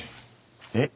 えっ？